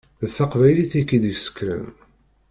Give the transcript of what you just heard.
D taqbaylit i k-id-yessekren.